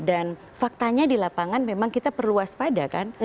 faktanya di lapangan memang kita perlu waspada kan